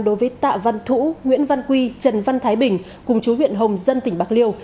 đối với tạ văn thủ nguyễn văn quy trần văn thái bình cùng chú huyện hồng dân tỉnh bạc liêu